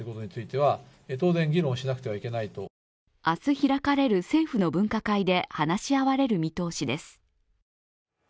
明日開かれる政府の分科会で話し合われる見通しです。